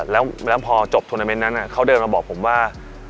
แล้วพอจบโทรนาเมนต์นั้นเขาเดินมาบอกผมว่า